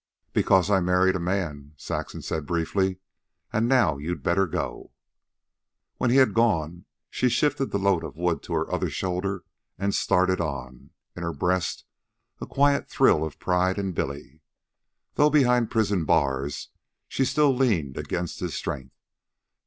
"Because I married a man," Saxon said briefly. "And now you'd better go." When he had gone she shifted the load of wood to her other shoulder and started on, in her breast a quiet thrill of pride in Billy. Though behind prison bars, still she leaned against his strength.